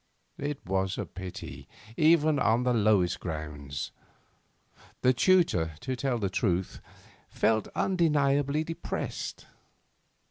It was a pity, even on the lowest grounds. The tutor, truth to tell, felt undeniably depressed.